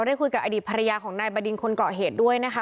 ได้คุยกับอดีตภรรยาของนายบดินคนเกาะเหตุด้วยนะคะ